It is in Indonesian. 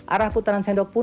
arah putaran sendok pun